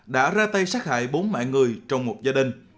đã ra tay sát hại bốn mọi người trong một gia đình